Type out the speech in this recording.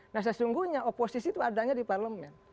nah sesungguhnya oposisi itu adanya di parlemen